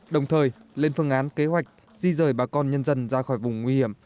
đồng thời lên phương án kế hoạch di rời bà con nhân dân ra khỏi vùng nguy hiểm